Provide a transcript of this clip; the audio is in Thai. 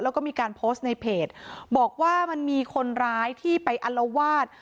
แล้วก็มีการโพสต์ในเพจบอกว่ามันมีคนร้ายที่ไปอัลวาด